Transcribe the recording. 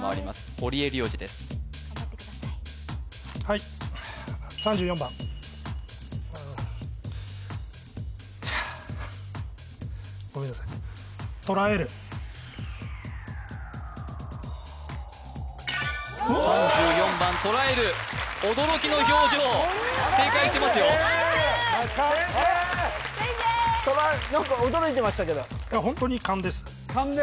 堀江亮次です・頑張ってくださいはいいやあごめんなさい３４番とらえる驚きの表情正解してますよナイス先生先生何か驚いてましたけどホントに勘です勘で？